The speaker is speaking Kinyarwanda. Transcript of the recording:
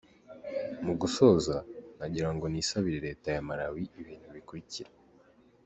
Mu gusoza, nagiraga ngo nisabire Leta ya Malawi ibintu bikurikira: